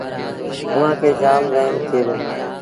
اُئآݩ کي جآم وهيم ٿئي دو